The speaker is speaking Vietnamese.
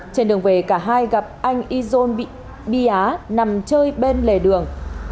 trên đường về cả hai gặp anh izon bị bi á nằm chơi bên lề đường